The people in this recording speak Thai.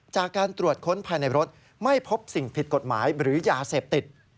จากการตรวจค้นภายในรถไม่พบสิ่งผิดกฎหมายหรือยาเสพติด